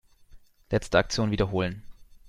Letzte Aktion wiederholen.